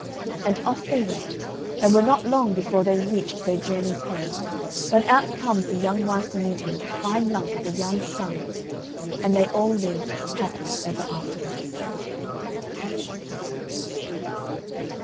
And off they went, and were not long before they reached their journey's end, when out comes the young wife to meet him with a fine lump of a young SON, and they all lived happy ever afterwards.